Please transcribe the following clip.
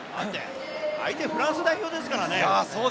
相手はフランス代表ですからね。